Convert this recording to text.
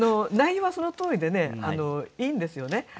内容はそのとおりでいいんですよね。